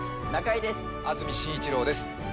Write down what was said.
安住紳一郎です。